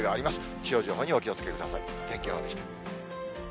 気象情報にはお気をつけください。